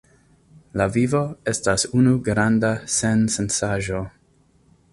La vivo estas unu granda sensencaĵo.